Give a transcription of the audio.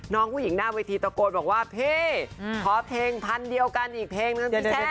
น้องผู้หญิงหน้าวิธีตะโกดบอกว่าเพย์ขอเพลงพันเดียวกันอีกเพลงนะคุณผู้ชม